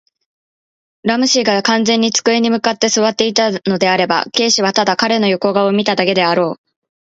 ラム氏が完全に机に向って坐っていたのであれば、Ｋ はただ彼の横顔を見ただけであろう。